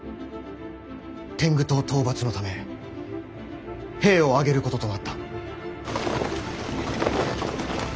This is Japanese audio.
天狗党討伐のため兵を挙げることとなった。